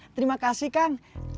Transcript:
terima kasih kang